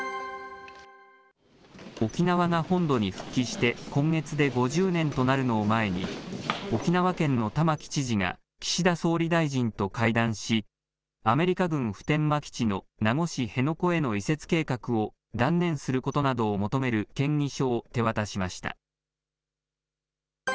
沖縄が本土に復帰して今月で５０年となるのを前に、沖縄県の玉城知事が岸田総理大臣と会談し、アメリカ軍普天間基地の名護市辺野古への移設計画を断念することなどを求める建議書を手渡しました。